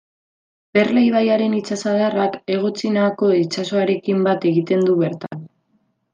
Perla ibaiaren itsasadarrak Hego Txinako itsasoarekin bat egiten du bertan.